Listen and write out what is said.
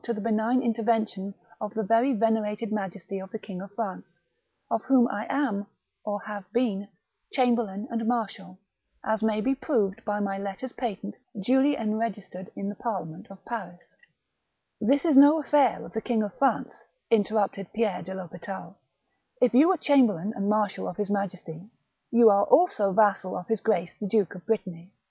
227 the benign intervention of the very venerated majesty of the King of France, of whom I am, or have been, chamberlain and marshal, as may be proved by my letters patent duly enregistered in the parliament at Paris "" This is no aflfair of the King of France," inter rupted Pierre de THospital ; "if you were chamberlain and marshal of his Majesty, you are also vassal of his grace the Duke of Brittany."